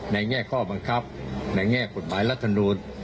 แง่ข้อบังคับในแง่กฎหมายรัฐมนูล